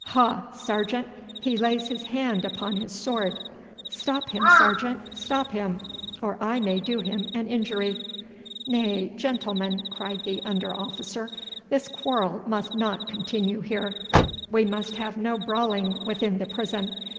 Ha, sergeant, he lays his hand upon his sword! Stop him, sergeant, stop him, or I may do him an injury.' 'Nay, gentlemen,' cried the under officer. 'This quarrel must not continue here. We must have no brawling within the prison.